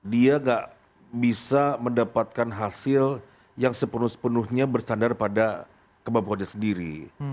dia gak bisa mendapatkan hasil yang sepenuh sepenuhnya bersandar pada kemampuannya sendiri